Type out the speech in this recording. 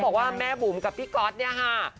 บอกว่าแม่บุ๋มกับพี่ก๊อตเนี่ยค่ะ